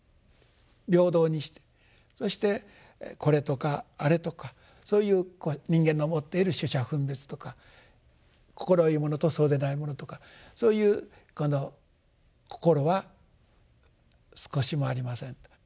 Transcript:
平等にしてそしてこれとかあれとかそういう人間の持っている取捨分別とか快いものとそうでないものとかそういうこの心は少しもありませんと。